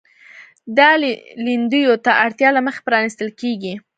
دا لیندیو د اړتیا له مخې پرانیستل کېږي.